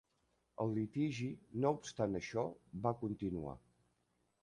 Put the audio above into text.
El litigi, no obstant això, va continuar.